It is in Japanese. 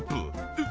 えっ！